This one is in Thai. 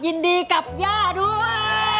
ยินดีกับย่าด้วย